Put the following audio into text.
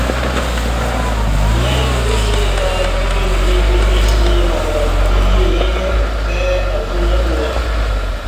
ییں بلیوک جائی تہ کودیوم دی ڈو بسی مگر امکی ایں کائی اتو نہ گواہ